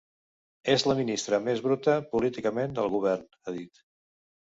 És la ministra més bruta políticament del govern, ha dit.